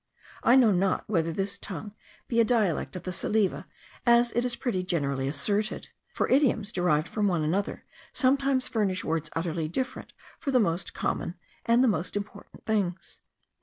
I know not whether this tongue be a dialect of the Salive, as is pretty generally asserted; for idioms derived from one another, sometimes furnish words utterly different for the most common and most important things.